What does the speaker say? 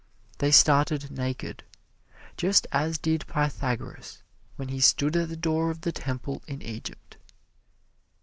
They started naked, just as did Pythagoras when he stood at the door of the temple in Egypt.